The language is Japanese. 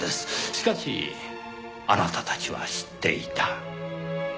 しかしあなたたちは知っていた。